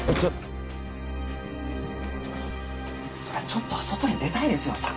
そりゃちょっとは外に出たいですよ。